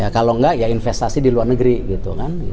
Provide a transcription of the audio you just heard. kalau enggak ya investasi di luar negeri gitu kan